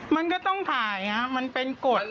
มันก็ต้องถ่ายมันเป็นกฎ